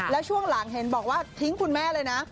แล้วช่วงหลังเห็นบอกว่าทิ้งคุณแม่เลยนะ